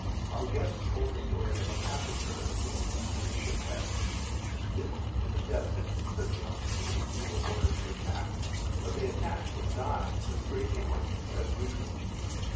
Our guest told the story of the massacre in Neuve Chapelle. "This is a death sentence," said the officers who were ordered to attack. But they attacked, and died, with great gallantry, as usual.